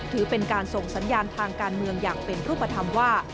ถือเป็นการส่งสัญญาณทางการเมืองอย่างเป็นรูปธรรมว่า